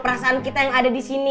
perasaan kita yang ada di sini